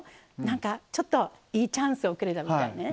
なんかちょっといいチャンスをくれたみたいね。